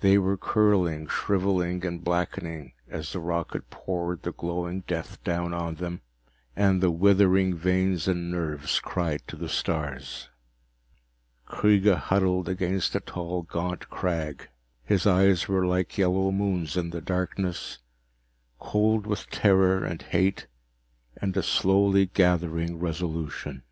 They were curling, shriveling and blackening as the rocket poured the glowing death down on them, and the withering veins and nerves cried to the stars. Kreega huddled against a tall gaunt crag. His eyes were like yellow moons in the darkness, cold with terror and hate and a slowly gathering resolution.